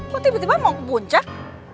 mau tiba tiba mau ke puncak